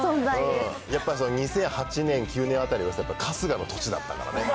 やっぱり２００８年、９年あたりはさ、春日の年だったからね。